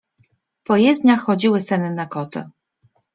” Po jezdniach chodziły senne koty.